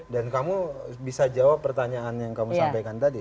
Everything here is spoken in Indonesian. dan kamu bisa jawab pertanyaan yang kamu sampaikan tadi